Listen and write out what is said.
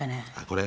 これ？